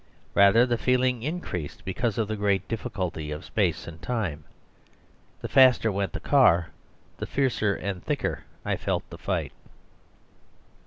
Rather the feeling increased, because of the great difficulty of space and time. The faster went the car, the fiercer and thicker I felt the fight.